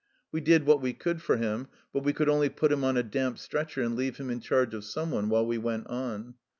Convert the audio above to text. We did what we could for him, but we could only put him on a damp stretcher and leave him in charge of someone while we went on.